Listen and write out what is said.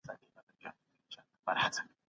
خندا په حسن كي دي ګډ يـم